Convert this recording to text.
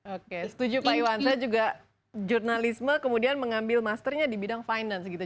oke setuju pak iwan saya juga jurnalisme kemudian mengambil masternya di bidang finance gitu